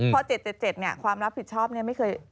เพราะ๗๗๗เนี่ยความรับผิดชอบไม่เคย